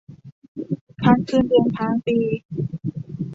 ค้างเดือนค้างปี